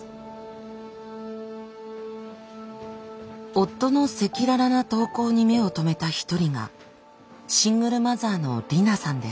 夫の赤裸々な投稿に目を留めた一人がシングルマザーのりなさんです。